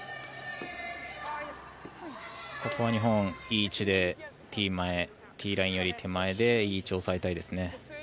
ここは日本、いい位置でティーラインより前でいい位置を押さえたいですね。